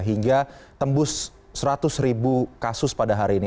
hingga tembus seratus ribu kasus pada hari ini